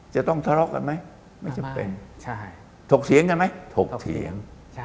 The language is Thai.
จะต้องทะเลาะกันไหมไม่จำเป็นถกเถียงกันไหมถกเถียง